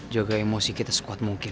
jaga emosi kita sekuat mungkin